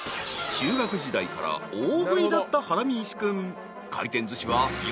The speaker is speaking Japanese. ［中学時代から大食いだった孕石君］